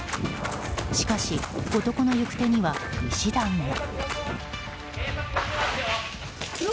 しかし男の行く手には石段が。